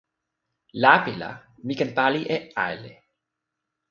lape la mi ken pali e ale.